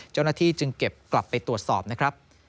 เจ้าหน้าที่จึงเก็บกลับไปตรวจสอบนะครับ